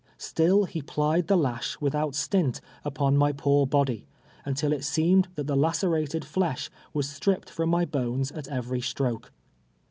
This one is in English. Still he plied the lash without stint upon my poor l)ody, until it seemed that the lacerated flesh was stripped from my l)ones at every stroke.